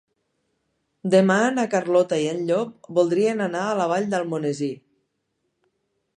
Demà na Carlota i en Llop voldrien anar a la Vall d'Almonesir.